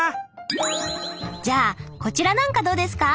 じゃあこちらなんかどうですか？